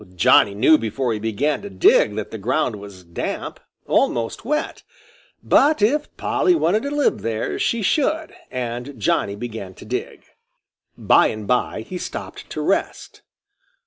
Johnny knew before he began to dig that the ground was damp, almost wet. But if Polly wanted to live there she should, and Johnny began to dig. By and by he stopped to rest.